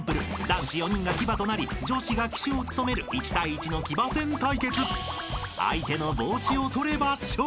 男子４人が騎馬となり女子が騎手を務める１対１の騎馬戦対決］